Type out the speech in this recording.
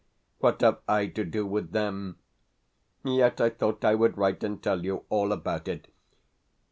What have I to do with them? Yet I thought I would write and tell you all about it.